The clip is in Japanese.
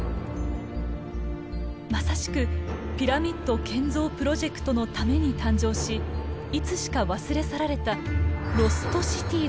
まさしくピラミッド建造プロジェクトのために誕生しいつしか忘れ去られたロストシティーだったのです。